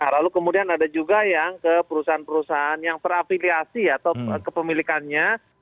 lalu kemudian ada juga yang ke perusahaan perusahaan yang terafiliasi atau kepemilikannya